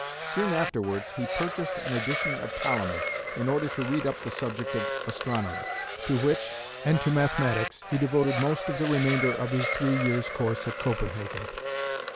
Soon afterwards he purchased an edition of Ptolemy in order to read up the subject of astronomy, to which, and to mathematics, he devoted most of the remainder of his three years' course at Copenhagen.